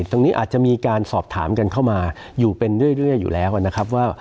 ตรงนี้อาจจะมีการสอบถามกันเข้ามาอยู่เป็นเรื่อยอยู่แล้วนะครับว่า